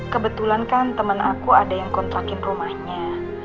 kebetulan kan teman aku ada yang kontrakin rumahnya